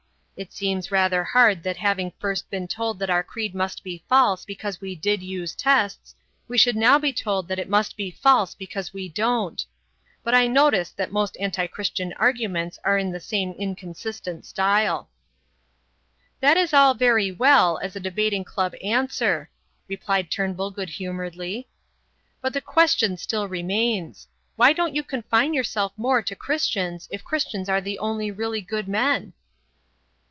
It seems rather hard that having first been told that our creed must be false because we did use tests, we should now be told that it must be false because we don't. But I notice that most anti Christian arguments are in the same inconsistent style." "That is all very well as a debating club answer," replied Turnbull good humouredly, "but the question still remains: Why don't you confine yourself more to Christians if Christians are the only really good men?"